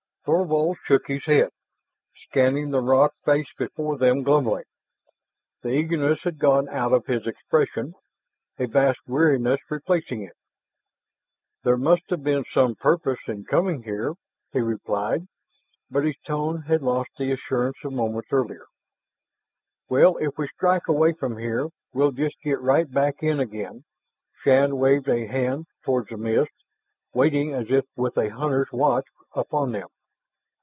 Thorvald shook his head, scanning the rock face before them glumly. The eagerness had gone out of his expression, a vast weariness replacing it. "There must have been some purpose in coming here," he replied, but his tone had lost the assurance of moments earlier. "Well, if we strike away from here, we'll just get right back in again." Shann waved a hand toward the mist, waiting as if with a hunter's watch upon them.